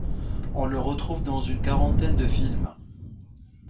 On le retrouve dans une quarantaine de films.